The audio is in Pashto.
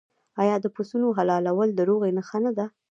آیا د پسونو حلالول د روغې نښه نه ده؟